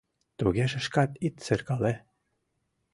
— Тугеже шкат ит серкале.